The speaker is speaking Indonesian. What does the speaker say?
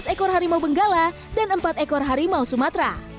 enam belas ekor harimau benggala dan empat ekor harimau sumatera